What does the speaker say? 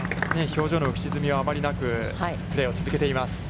表情の浮き沈みはあまりなく、プレーを続けています。